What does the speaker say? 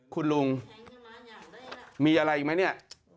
คุณลุงมีอะไรอีกไหมเนี่ย